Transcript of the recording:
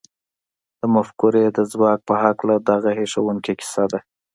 د مفکورې د ځواک په هکله دغه هیښوونکې کیسه ده